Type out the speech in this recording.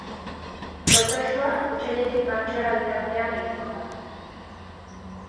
Prozesua otsailetik martxora bitartean egingo da.